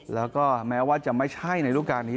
แล้วก็แม้ว่าจะไม่ใช่ในรูปการณ์นี้